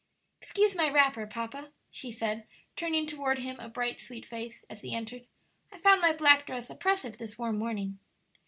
"Excuse my wrapper, papa," she said, turning toward him a bright, sweet face, as he entered; "I found my black dress oppressive this warm morning."